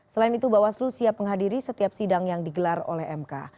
selain itu bawaslu siap menghadiri setiap sidang yang digelar oleh mk